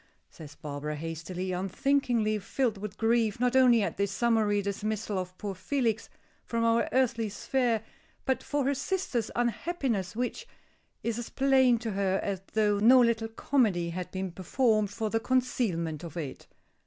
says Barbara, hastily, unthinkingly filled with grief, not only at this summary dismissal of poor Felix from our earthly sphere, but for her sister's unhappiness, which is as plain to her as though no little comedy had been performed for the concealment of it.